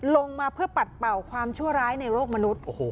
ลงมาเพื่อปัดเป่าความชั่วร้ายในโลกมนุษย์